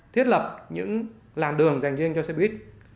thiết lập những làng đường dành riêng cho xe buýt